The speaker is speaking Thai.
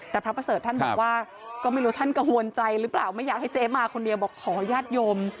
แต่พระประเสริฐท่านบอกว่าก็ไม่รู้ท่านกังวลใจหรือเปล่าไม่อยากให้เจ๊มาคนเดียวบอกขอญาติโยม